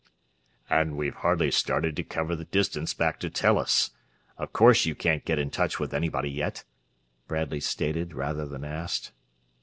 "And we've hardly started to cover the distance back to Tellus. Of course you couldn't get in touch with anybody yet?" Bradley stated, rather than asked.